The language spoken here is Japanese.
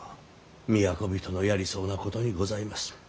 都人のやりそうなことにございます。